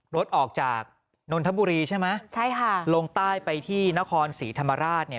รถออกจากนนทบุรีใช่ไหมใช่ค่ะลงใต้ไปที่นครศรีธรรมราชเนี่ย